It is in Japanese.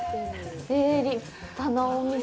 立派なお店。